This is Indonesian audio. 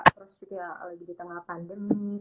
terus juga lagi di tengah pandemi